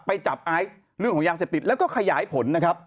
ไปจับไอซ์เรื่องของยาเสพติดแล้วก็ขยายผลนะครับ